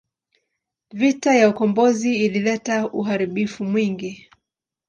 Vita ya ukombozi ilileta uharibifu mwingi.